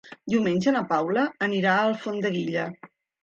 Diumenge na Paula anirà a Alfondeguilla.